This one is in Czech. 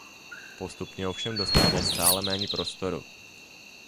Postupně ovšem dostával stále méně prostoru.